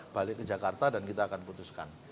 balik ke jakarta dan kita akan putuskan